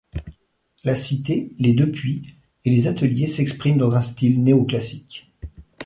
La cité, les deux puits et les ateliers s’expriment dans le style néo classique.